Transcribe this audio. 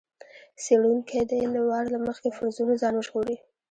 څېړونکی دې له وار له مخکې فرضونو ځان وژغوري.